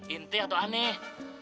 inti atau aneh